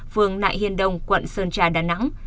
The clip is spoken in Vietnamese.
vườn nại hiên đông quận sơn trà đà nẵng